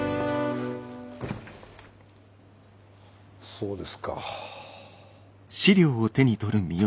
そうですか。